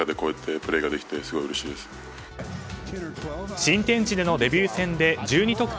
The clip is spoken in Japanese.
新天地でのデビュー戦で１２得点